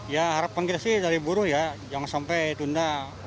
ya harap pengguna dari buruh ya jangan sampai ditunda